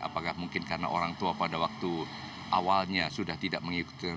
apakah mungkin karena orang tua pada waktu awalnya sudah tidak mengikuti